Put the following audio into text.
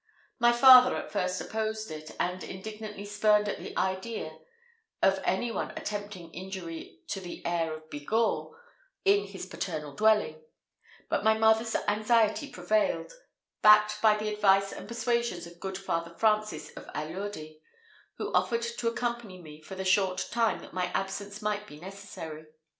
My father at first opposed it, and indignantly spurned at the idea of any one attempting injury to the heir of Bigorre in his paternal dwelling; but my mother's anxiety prevailed, backed by the advice and persuasions of good Father Francis of Allurdi, who offered to accompany me for the short time that my absence might be necessary.